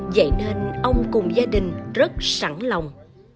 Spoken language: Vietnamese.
vậy nên ông cùng gia đình rất sẵn lòng